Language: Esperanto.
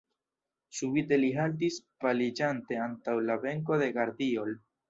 Subite li haltis paliĝante antaŭ la benko de Gardiol.